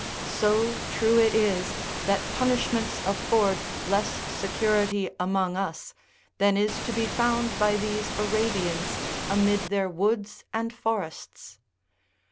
So true it is that punishments afford less security among us than is to be found by these Arabians amid their woods and forests